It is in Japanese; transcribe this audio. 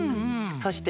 そして。